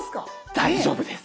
大丈夫です。